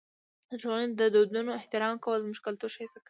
د ټولنې د دودونو احترام کول زموږ کلتور ښایسته کوي.